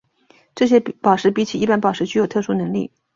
这些宝石比起一般宝石具有特殊能力。